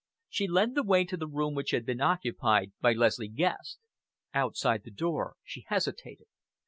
She led the way to the room which had been occupied by Leslie Guest. Outside the door she hesitated.